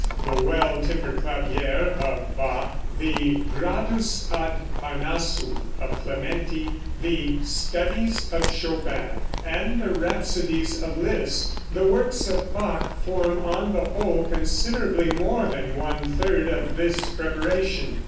the "Well Tempered Clavier," of Bach; the "Gradus ad Parnassum," of Clementi; the "Studies," of Chopin, and the Rhapsodies, of Liszt, the works of Bach form, on the whole, considerably more than one third of this preparation.